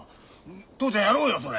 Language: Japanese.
父ちゃんやろうよそれ。